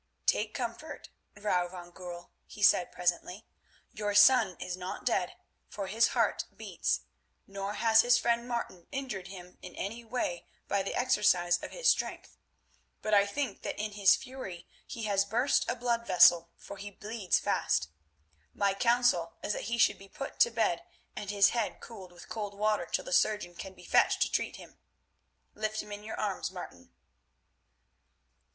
"Take comfort, Vrouw van Goorl," he said presently, "your son is not dead, for his heart beats, nor has his friend Martin injured him in any way by the exercise of his strength, but I think that in his fury he has burst a blood vessel, for he bleeds fast. My counsel is that he should be put to bed and his head cooled with cold water till the surgeon can be fetched to treat him. Lift him in your arms, Martin."